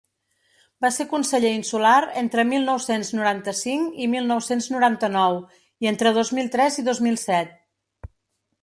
Va ser conseller insular entre mil nou-cents noranta-cinc i mil nou-cents noranta-nou i entre dos mil tres i dos mil set.